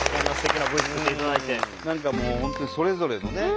何かもう本当にそれぞれのね